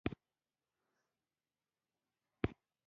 بندیانو به هلته کار کاوه.